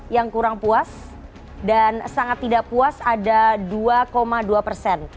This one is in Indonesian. yang kurang puas dan sangat tidak puas ada dua dua persen